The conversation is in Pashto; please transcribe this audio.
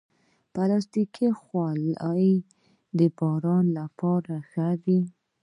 پلاستيکي خولۍ د باران لپاره ښه وي.